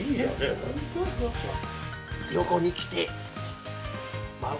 横に来て。